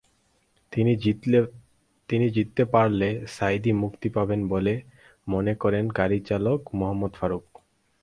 তিনি জিততে পারলে সাঈদী মুক্তি পাবেন বলে মনে করেন গাড়িচালক মোহাম্মদ ফারুক।